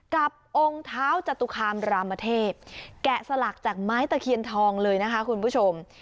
กับองค์เท้าจตุคามรามเทพแกะสลักจากไม้ตะเคียนทองเลยนะคะคุณผู้ชม